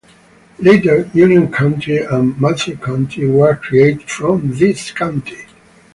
Later, Union County and Malheur County were created from this county.